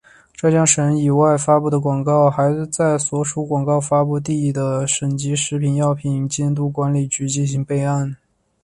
浙江省以外发布的广告还在所属广告发布地的省级食品药品监督管理局进行备案。